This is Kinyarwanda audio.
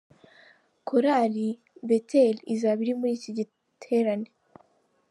Korali Bethel izaba iri muri iki giterane.